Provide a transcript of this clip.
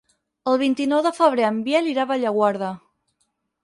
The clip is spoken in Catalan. El vint-i-nou de febrer en Biel irà a Bellaguarda.